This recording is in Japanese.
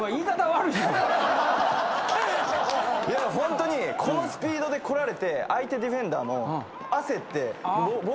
ホントにこのスピードで来られて相手ディフェンダーも焦ってボール出しちゃうんです。